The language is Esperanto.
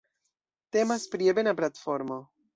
Temas pri ebena platformo.